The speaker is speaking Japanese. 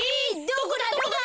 どこだ？